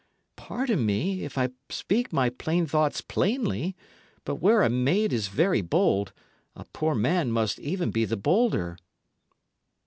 Pardon me if I speak my plain thoughts plainly; but where a maid is very bold, a poor man must even be the bolder."